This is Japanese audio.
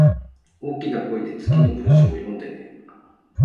大きな声で次の文章を読んでね